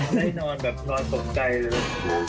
ได้นอนแบบนอนตกใจเลย